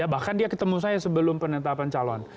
bahkan dia ketemu saya sebelum penetapan calon